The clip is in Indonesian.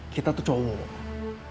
kita adalah orang yang mencintai kamu